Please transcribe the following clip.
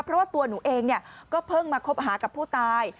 เพราะว่าตัวหนูเองก็เพิ่งมาคบหากับผู้ตาย